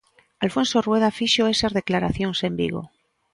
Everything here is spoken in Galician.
Alfonso Rueda fixo esas declaracións en Vigo.